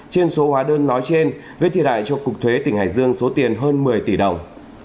trên số hóa đơn nói trên với thi đại cho cục thuế tỉnh hải dương số tiền hơn một mươi tỷ đồng